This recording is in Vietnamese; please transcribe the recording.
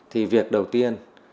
thì việc đầu tiên